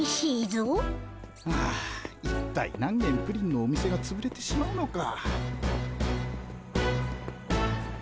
ああ一体何げんプリンのお店がつぶれてしまうのか。